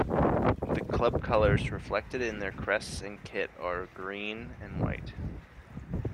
The club colours, reflected in their crest and kit, are green and white.